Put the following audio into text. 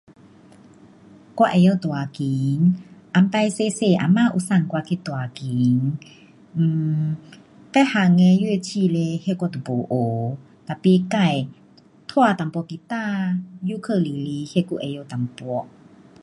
我会晓弹琴，以前小小阿妈有送我去弹琴 um 别样的乐器嘞那我就没学，tapi 自拉一点吉他，忧克丽丽那还会晓一点。